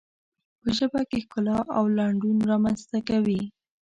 په ژبه کې ښکلا او لنډون رامنځته کوي.